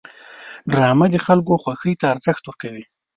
ډرامه د خلکو خوښې ته ارزښت ورکوي